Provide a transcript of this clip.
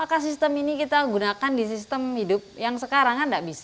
apakah sistem ini kita gunakan di sistem hidup yang sekarang kan tidak bisa